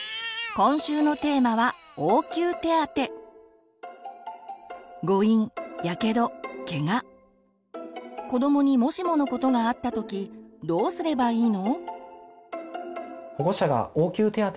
今週のテーマは子どもにもしものことがあったときどうすればいいの？